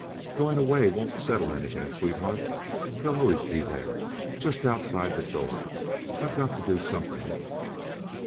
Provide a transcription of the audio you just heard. "Going away won't settle anything, sweetheart. They'll always be there, just outside the door. I've got to do something..."